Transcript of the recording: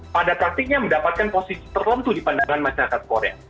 pada praktiknya mendapatkan posisi tertentu di pandangan masyarakat korea